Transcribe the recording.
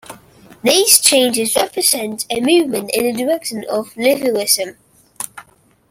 These changes represent a movement in the direction of Lutheranism.